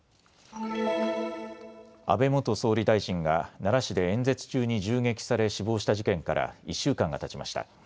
安倍元総理大臣が奈良市で演説中に銃撃され死亡した事件から１週間がたちました。